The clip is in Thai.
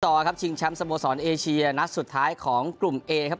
ต่อครับชิงแชมป์สโมสรเอเชียนัดสุดท้ายของกลุ่มเอครับ